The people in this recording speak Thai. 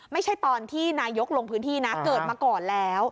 ไม่ใช่ตอนที่นายกลงพื้นที่นะเกิดมาก่อนแล้ว